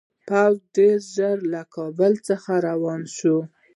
پوځ ډېر ژر له کابل څخه روان شو.